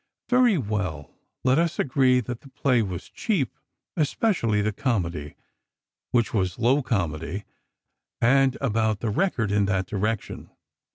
Very well, let us agree that the play was cheap, especially the comedy, which was low comedy and about the record in that direction.